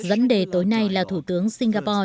vẫn đề tối nay là thủ tướng singapore